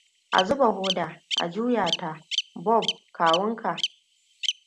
A zuba hoda, a juya ta, Bob kawunka.